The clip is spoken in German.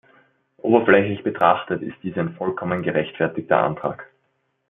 Oberflächlich betrachtet ist dies ein vollkommen gerechtfertigter Antrag.